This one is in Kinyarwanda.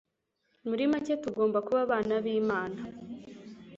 Muri make tugomba kuba abana b’Imana